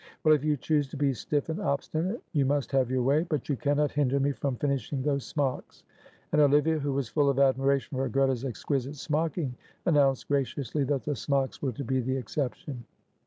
Well, if you choose to be stiff and obstinate you must have your way, but you cannot hinder me from finishing those smocks." And Olivia, who was full of admiration for Greta's exquisite smocking, announced graciously that the smocks were to be the exception.